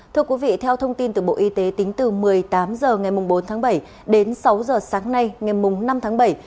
thưa quý vị theo thông tin từ bộ y tế tính từ một mươi tám h ngày bốn tháng bảy đến sáu h sáng nay ngày năm tháng bảy